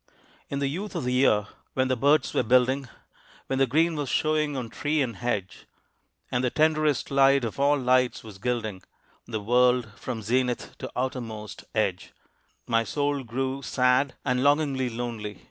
In the youth of the year, when the birds were building, When the green was showing on tree and hedge, And the tenderest light of all lights was gilding The world from zenith to outermost edge, My soul grew sad and longingly lonely!